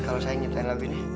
kalau saya ingin ceritain lagi nih